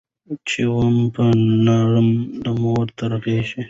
چي وو به نرم د مور تر غېږي